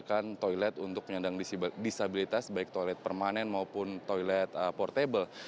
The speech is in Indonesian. dan juga panitia sudah menyediakan toilet untuk penyandang disabilitas baik toilet permanen maupun toilet portable